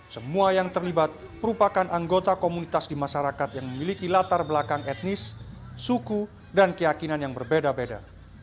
semua yang terlibat merupakan anggota komunitas di masyarakat yang memiliki latar belakang etnis suku dan keyakinan yang berbeda beda